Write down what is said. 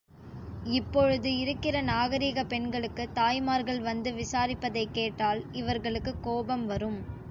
இப்பொழுது இருக்கிற நாகரிகப் பெண்களுக்கு தாய்மார்கள் வந்து விசாரிப்பதைக் கேட்டால் இவர்களுக்குக் கோபம் வரும்.